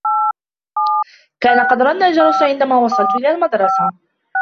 كان قد رن الجرس عندما وصلت إلى المدرسة.